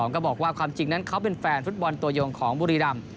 ก็บอกว่าความจริงนั้นเขาเป็นแฟนฟุตบอลตัวยงของบุรีรำ